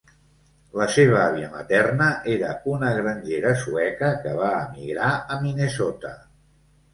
La seva àvia materna era una grangera sueca que va emigrar a Minnesota.